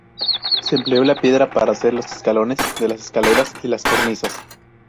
Se empleó la piedra para hacer los escalones de las escaleras y las cornisas.